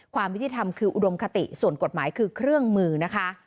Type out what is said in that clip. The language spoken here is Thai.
ความยุติธรรมคืออุดมคติส่วนกฎหมายคือเครื่องมือนะคะ